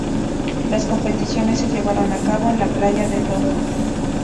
Las competiciones se llevaron a cabo en la playa de Doha.